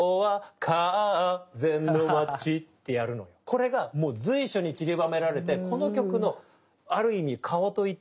これがもう随所にちりばめられてこの曲のある意味顔と言っていい技なの。